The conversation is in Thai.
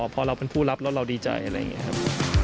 พอเราเป็นผู้รับแล้วเราดีใจอะไรอย่างนี้ครับ